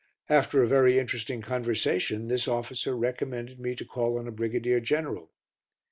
After a very interesting conversation this officer recommended me to call on a Brigadier General.